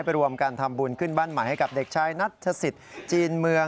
ไปรวมการทำบุญขึ้นบั้นหมายให้กับเด็กชายนัทศสิทธิ์จีนเมือง